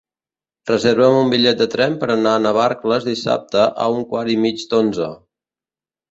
Reserva'm un bitllet de tren per anar a Navarcles dissabte a un quart i mig d'onze.